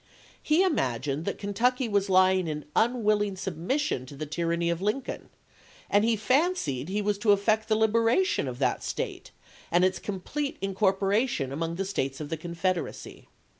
He imagined that Kentucky was lying in unwilling submission to the tyranny of Lincoln, and he fancied he was to effect the liberation of that State, and its complete incor poration among the States of the Confederacy.